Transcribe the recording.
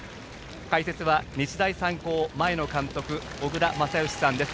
解説は日大三高、前の監督小倉全由さんです。